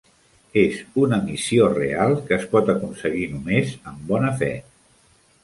És una missió real, que es pot aconseguir només amb bona fe.